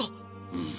うん。